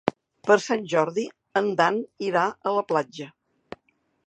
Per Sant Jordi en Dan irà a la platja.